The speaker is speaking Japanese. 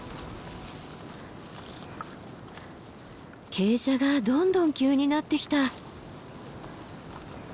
傾斜がどんどん急になってきた。